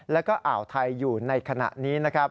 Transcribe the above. และอ่าวไทยอยู่ในขณะนี้